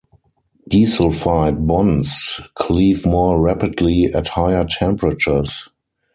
Disulfide bonds cleave more rapidly at higher temperatures.